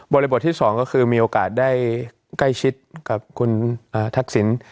บริบทที่สองก็คือมีโอกาสได้ใกล้ชิดกับคุณทักศิลป์